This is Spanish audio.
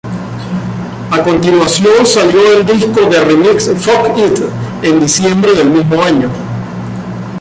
A continuación salió el disco de remixes "Fuck It" en diciembre del mismo año.